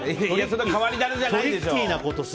変わり種じゃないでしょ。